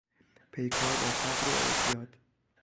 پیکار با فقر و اعتیاد